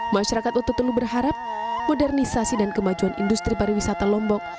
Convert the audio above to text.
masyarakat ututulu berharap modernisasi dan kemajuan industri pariwisata lombok